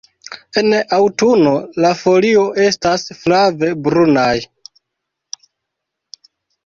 En aŭtuno la folio estas flave brunaj.